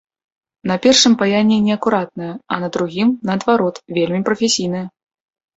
На першым паянне неакуратнае, а на другім, наадварот, вельмі прафесійнае.